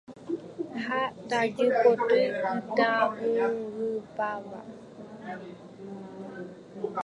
Ha tajy poty pytãungypáva